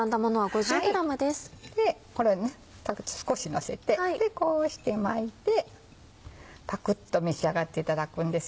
これを少しのせてこうして巻いてパクっと召し上がっていただくんですけども。